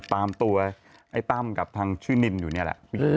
ตามตัวไอ้ตั้มกับทางชื่อนินอยู่นี่แหละ